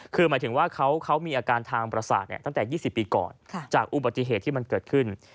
คือหมายถึงว่าเขามีอาการทางประสาทตั้งแต่๒๐ปีก่อนจากอุบัติเหตุที่มันเกิดขึ้น